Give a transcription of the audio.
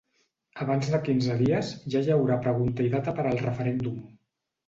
Abans de quinze dies ja hi haurà pregunta i data per al referèndum.